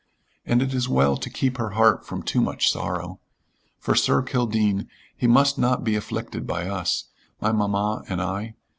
And it is well to keep her heart from too much sorrow. For Sir Kildene, he must not be afflicted by us my mamma and I.